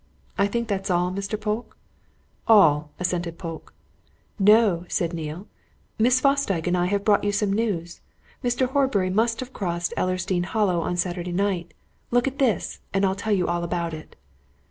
I think that's all, Mr. Polke?" "All!" assented Polke. "No!" said Neale. "Miss Fosdyke and I have brought you some news. Mr. Horbury must have crossed Ellersdeane Hollow on Saturday night. Look at this! and I'll tell you all about it."